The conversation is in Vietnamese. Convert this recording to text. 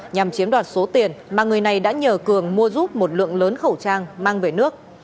nhằm chiếm đoạt số tiền mà người này đã nhờ cường mua giúp một lượng lớn khẩu trang mang về nước